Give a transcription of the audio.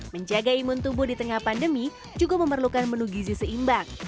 menjaga imun tubuh di tengah pandemi juga memerlukan menu gizi seimbang